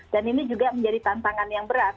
dan ini juga menjadi tantangan yang berat